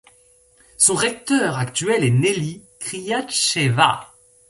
Son recteur actuel est Nelly Khriachtcheva.